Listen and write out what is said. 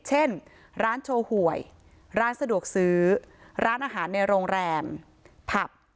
เช่นร้านโชว์หวยร้านสะดวกซื้อร้านอาหารในโรงแรมผับ